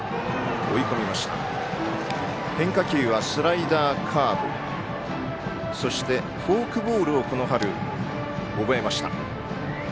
変化球はスライダーカーブ、そしてフォークボールをこの春、覚えました。